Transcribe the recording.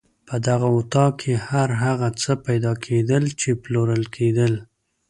په دغه اطاق کې هر هغه څه پیدا کېدل چې پلورل کېدل.